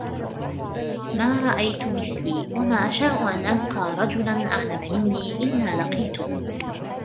مَا رَأَيْت مِثْلِي وَمَا أَشَاءُ أَنْ أَلْقَى رَجُلًا أَعْلَمَ مِنِّي إلَّا لَقِيتُهُ